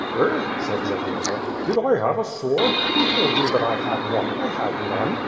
"Eh," said Zagloba, "did I have a sword? Who told you that I had one? I had none.